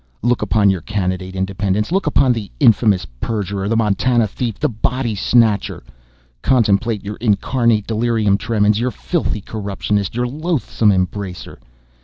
Look upon your candidate, Independents! Look upon the Infamous Perjurer! the Montana Thief! the Body Snatcher! Contemplate your incarnate Delirium Tremens! your Filthy Corruptionist! your Loathsome Embracer!